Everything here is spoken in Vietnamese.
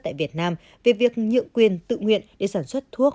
tại việt nam về việc nhượng quyền tự nguyện để sản xuất thuốc